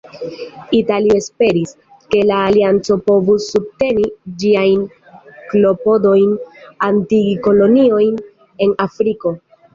Italio esperis, ke la alianco povus subteni ĝiajn klopodojn atingi koloniojn en Afriko.